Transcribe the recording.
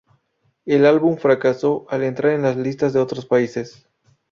El álbum fracasó al entrar en las listas de otros países.